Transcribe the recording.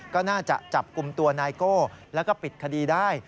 ก็น่าจะจับกลุ่มตัวนายโก้แล้วก็ปิดคดีได้